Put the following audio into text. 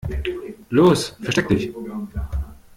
Los, versteck dich!